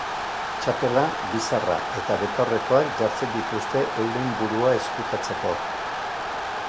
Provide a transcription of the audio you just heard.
Txapela, bizarra eta betaurrekoak jartzen dituzte euren burua ezkutatzeko.